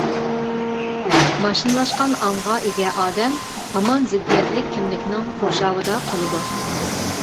ماشىنىلاشقان ئاڭغا ئىگە ئادەم ھامان زىددىيەتلىك كىملىكنىڭ قورشاۋىدا قالىدۇ.